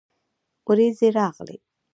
ورېځې راغلې